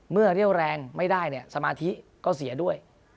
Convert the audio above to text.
เมื่อเรี่ยวแรงไม่ได้สมาธิก็เสียด้วย